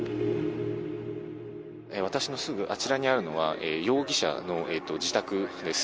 私のすぐあちらにあるのは、容疑者の自宅です。